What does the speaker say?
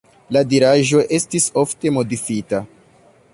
La diraĵo estis ofte modifita.